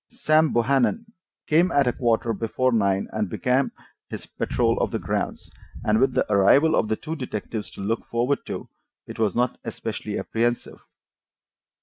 Sam Bohannon came at a quarter before nine, and began his patrol of the grounds, and with the arrival of the two detectives to look forward to, I was not especially apprehensive.